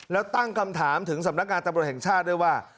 แล้วตั้งคำถามถึงสำนักงานตำรวจแห่งชาติด้วยว่า